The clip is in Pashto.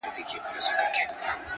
هره ورځ د عادتونو د جوړولو وخت دی!.